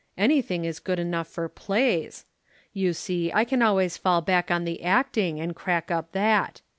"Anything is good enough for plays. You see I can always fall back on the acting and crack up that.